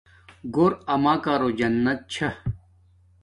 گھور اماکارو جنت چھا